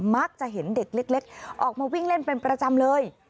มักจะเห็นเด็กเล็กออกมาวิ่งเล่นเป็นประจำเลย